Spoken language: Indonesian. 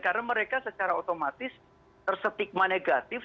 karena mereka secara otomatis tersetigma negatif